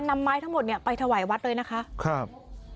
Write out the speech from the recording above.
นำไม้ทั้งหมดเนี่ยไปถวายวัดเลยนะคะครับ